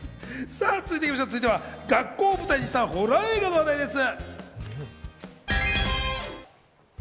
続いては、学校を舞台にしたホラー映画の話題です。